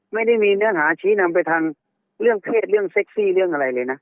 ไม่ได้มีเนื้อหาชี้นำไปทางเรื่องเพศเรื่องเซ็กซี่เรื่องอะไรเลยนะ